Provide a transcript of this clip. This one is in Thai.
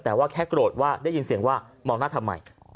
แต่ว่าแค่โกรธว่าได้ยินเสียงว่ามองหน้าทำไม